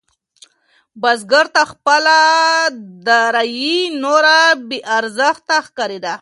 بزګر ته خپله دارايي نوره بې ارزښته ښکارېده.